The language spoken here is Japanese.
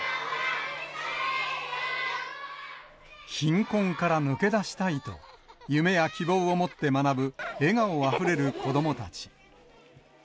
貧困から抜け出したいと、夢や希望を持って学ぶ、笑顔あふれる子どもたち。